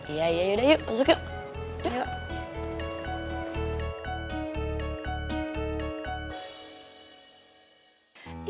iya iya yuk masuk yuk